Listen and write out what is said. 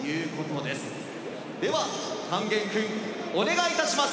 では勸玄君お願いいたします！